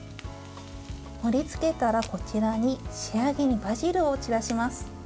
盛りつけたら、こちらに仕上げにバジルを散らします。